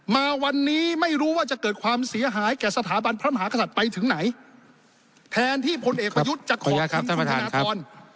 มาวันนี้ไม่รู้ว่าจะเกิดความเสียหายแก่สถาบันพระมหากษัตริย์ไปถึงไหนแทนที่พลเอกประยุทธ์จะขอคำธนากร